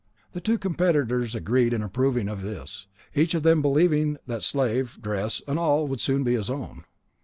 The two competitors agreed in approving of this, each of them believing that slave, dress, and all would soon be his own.